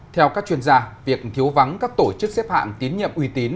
theo các chuyên gia việc thiếu vắng các tổ chức xếp hạng tín nhiệm uy tín